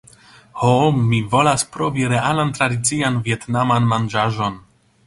Ho, mi volas provi realan tradician vjetnaman manĝaĵon